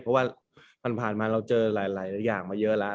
เพราะว่าผ่านมาเราเจอหลายอย่างมาเยอะแล้ว